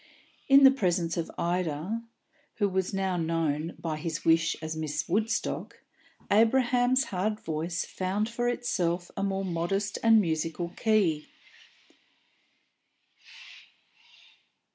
In the presence of Ida (who was now known, by his wish, as Miss Woodstock) Abraham's hard voice found for itself a more modest and musical key.